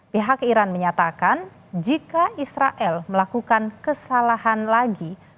pihak iran menyatakan jika israel melakukan kesalahan lagi